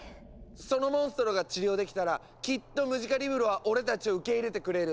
そのモンストロが治療できたらきっとムジカリブロは俺たちを受け入れてくれる。